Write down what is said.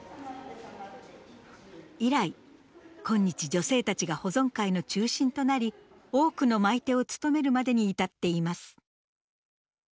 以来今日女性たちが保存会の中心となり多くの舞手を務めるまでに至っています。